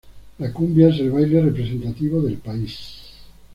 La cumbia es el baile representativo del país.